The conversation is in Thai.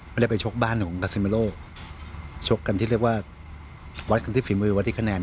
ไม่ได้ไปชกบ้านของคาซิเมโร่ชกกันที่เรียกว่า